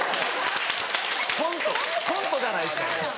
コントコントじゃないですかもう。